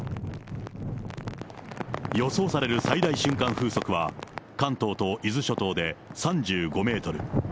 予想される最大瞬間風速は、関東と伊豆諸島で３５メートル。